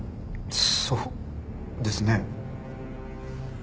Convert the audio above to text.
そうですね。